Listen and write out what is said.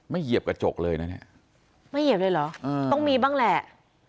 เหยียบกระจกเลยนะเนี่ยไม่เหยียบเลยเหรอต้องมีบ้างแหละ